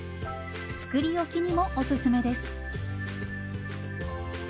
作り置きにもおすすめです。